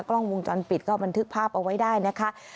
กล้องวงจรปิดก็บันทึกภาพเอาไว้ได้นะคะ